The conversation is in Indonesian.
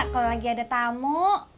kalo lagi ada tamu